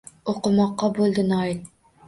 Oʼqimoqqa boʼldi noil.